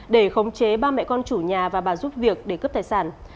để khống chế ba mẹ con chủ nhà và bà giúp việc để cướp tài sản